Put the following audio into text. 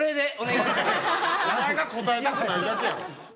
お前が答えたくないだけやろ。